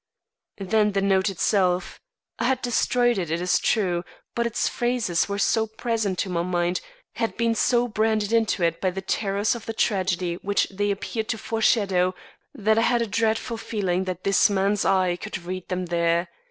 Then the note itself! I had destroyed it, it is true, but its phrases were so present to my mind had been so branded into it by the terrors of the tragedy which they appeared to foreshadow, that I had a dreadful feeling that this man's eye could read them there.